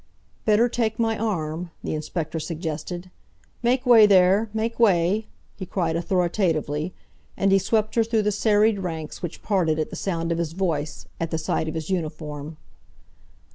"Better take my arm," the inspector suggested. "Make way there! Make way!" he cried authoritatively; and he swept her through the serried ranks which parted at the sound of his voice, at the sight of his uniform.